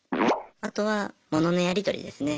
あとは物のやり取りですね。